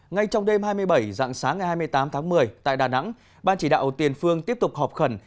ngay trong đêm hai mươi bảy dạng sáng ngày hai mươi tám tháng một mươi tại đà nẵng ban chỉ đạo tiền phương tiếp tục họp khẩn